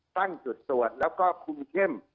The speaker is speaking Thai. ตั้งจุดตรวจแล้วก็คุมเข้ม